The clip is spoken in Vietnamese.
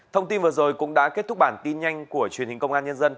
thông tin vừa rồi cũng đã kết thúc bản tin nhanh của truyền hình công an nhân dân